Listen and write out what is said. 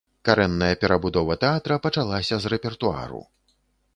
Карэнная перабудова тэатра пачалася з рэпертуару.